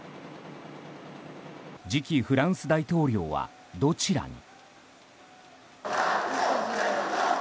次期フランス大統領はどちらに。